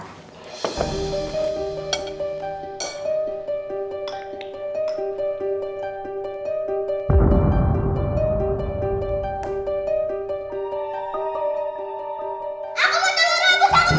aku mau telur rebus